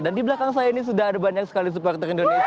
dan di belakang saya ini sudah ada banyak sekali supporter indonesia